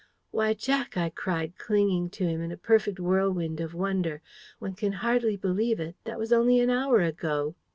"Why, Jack," I cried clinging to him in a perfect whirlwind of wonder, "one can hardly believe it that was only an hour ago!"